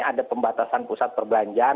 ada pembatasan pusat perbelanjaan